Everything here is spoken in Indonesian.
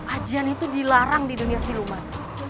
ajian itu dilarang di dunia siluman